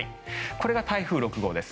これが台風６号です。